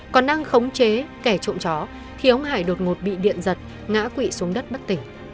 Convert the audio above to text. còn đang khống chế kẻ trộm chó thì ông hải đột ngột bị điện giật ngã quỵ xuống đất bất tỉnh